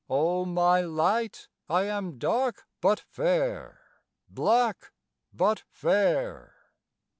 O my light, I am dark but fair, Black but fair.